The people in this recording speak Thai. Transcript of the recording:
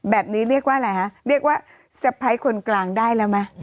เรียกว่าอะไรฮะเรียกว่าสะพ้ายคนกลางได้แล้วไหม